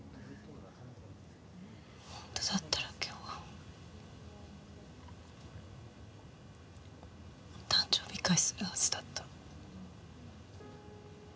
ホントだったら今日お誕生日会するはずだった